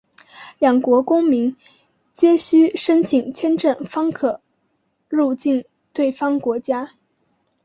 两国公民皆须申请签证方可入境对方国家。